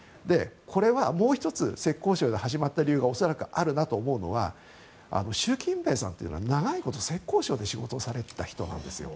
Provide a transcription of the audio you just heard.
これはもう１つ浙江省で始まった理由が恐らくあるなと思うのは習近平さんというのは長いこと浙江省で仕事をされていた人なんです。